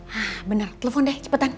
hah benar telepon deh cepetan